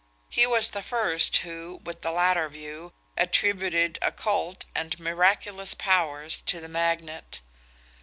He was the first who, with the latter view, attributed occult and miraculous powers to the magnet.